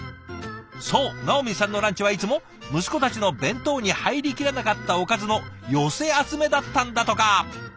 そうｎａｏｍｉｎさんのランチはいつも息子たちの弁当に入りきらなかったおかずの寄せ集めだったんだとか。